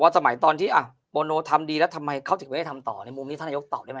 สมัยตอนที่โบโนทำดีแล้วทำไมเขาถึงไม่ได้ทำต่อในมุมนี้ท่านนายกตอบได้ไหม